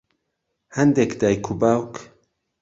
هەندێک دایک و باوک